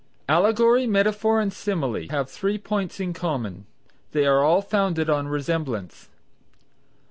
Allegory, metaphor and simile have three points in common, they are all founded on resemblance.